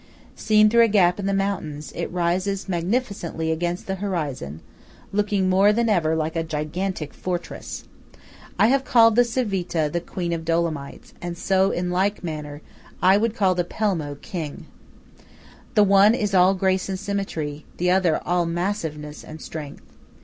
Seen through a gap in the mountains, it rises magnificently against the horizon, looking more than ever like a gigantic fortress. I have called the Civita, Queen of the Dolomites; and so, in like manner, I would call the Pelmo, King. The one is all grace and symmetry; the other all massiveness and strength.